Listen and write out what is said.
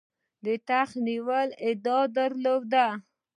د تخت د نیولو ادعا درلوده.